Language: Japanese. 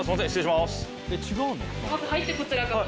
まず入ってこちらが。